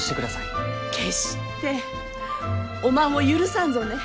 決しておまんを許さんぞね！